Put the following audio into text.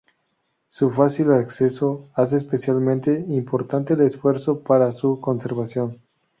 Su fácil acceso hace especialmente importante el esfuerzo para su conservación.